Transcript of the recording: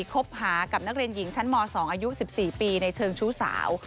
คบหากับนักเรียนหญิงชั้นม๒อายุ๑๔ปีในเชิงชู้สาว